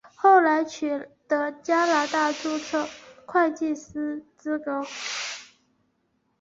后来取得加拿大注册会计师资格。